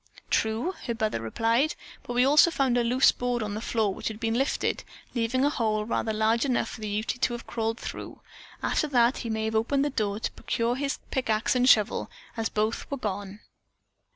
"True!" her brother replied, "but we also found a loose board on the floor, which had been lifted, leaving a hole large enough for the Ute to have crawled through. After that he may have opened the door to procure his pick ax and shovel, as both were gone."